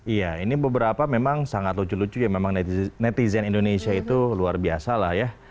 iya ini beberapa memang sangat lucu lucu ya memang netizen indonesia itu luar biasa lah ya